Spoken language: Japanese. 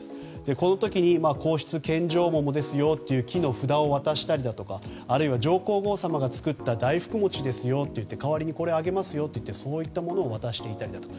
この時に皇室献上桃ですよという木の札を渡したりあるいは上皇后さまが作った大福餅ですよと言って代わりにこれをあげますよとそういったものを渡していたですとか。